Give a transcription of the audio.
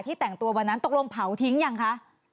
แต่งตัววันนั้นตกลงเผาทิ้งยังคะ